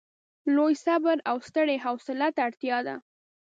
لوی صبر او سترې حوصلې ته اړتیا ده.